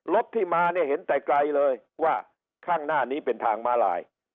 รถที่มาเนี่ยเห็นแต่ไกลเลยว่าข้างหน้านี้เป็นทางมาลาย